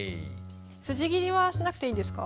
筋切りはしなくていいんですか？